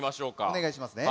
おねがいしますね。